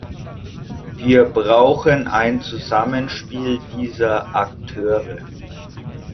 Wir brauchen ein Zusammenspiel dieser Akteure.